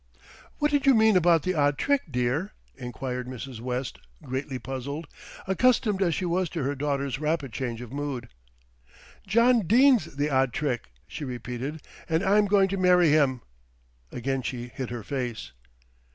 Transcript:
"What did you mean about the odd trick, dear?" enquired Mrs. West greatly puzzled, accustomed as she was to her daughter's rapid change of mood. "John Dene's the odd trick," she repeated, "and I'm going to marry him." Again she hid her face.